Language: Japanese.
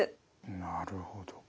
なるほど。